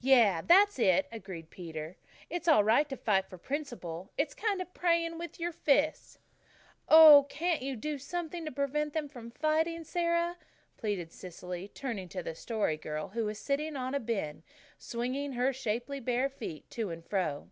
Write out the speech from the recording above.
"Yes, that's it," agreed Peter. "It's all right to fight for principle. It's kind of praying with your fists." "Oh, can't you do something to prevent them from fighting, Sara?" pleaded Cecily, turning to the Story Girl, who was sitting on a bin, swinging her shapely bare feet to and fro.